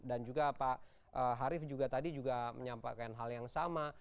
dan juga pak harif juga tadi menyampaikan hal yang sama